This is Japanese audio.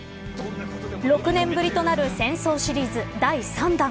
６年ぶりとなる戦争シリーズ第３弾。